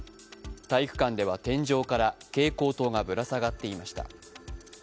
体育館では天井から蛍光灯がぶら下がっていました。